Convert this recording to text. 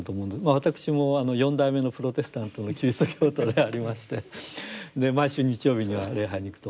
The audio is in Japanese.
私も４代目のプロテスタントのキリスト教徒でありまして毎週日曜日には礼拝に行くと。